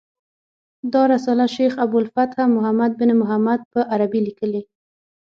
دا رساله شیخ ابو الفتح محمد بن محمد په عربي لیکلې.